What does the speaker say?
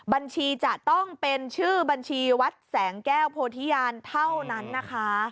บัญชีจะต้องเป็นชื่อบัญชีวัดแสงแก้วโพธิญาณเท่านั้นนะคะ